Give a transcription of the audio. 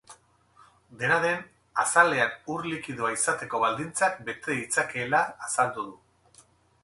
Dena den, azalean ur likidoa izateko baldintzak bete ditzakeela azaldu du.